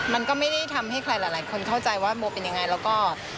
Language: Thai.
มันก็ไม่ได้ทำให้ใครหลายคนเข้าใจว่าโมเป็นยังไงแล้วก็